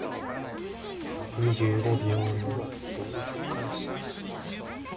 丸山さんの棋風は同歩かもしれないですね。